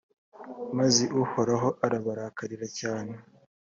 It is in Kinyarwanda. maze uhoraho arabarakarira cyane.